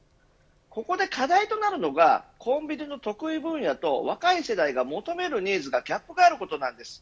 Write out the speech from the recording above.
ここで課題となるのがコンビの得意分野と若い世代が求めるニーズにギャップがあることです。